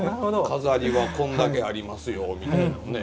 「錺はこんだけありますよ」みたいなんね